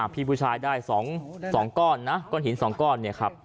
พี่ผู้ชายได้๒ก้อนหิน๒ก้อน